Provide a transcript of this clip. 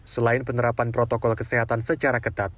selain penerapan protokol kesehatan secara ketat